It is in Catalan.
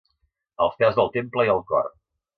Als peus del temple hi ha el cor.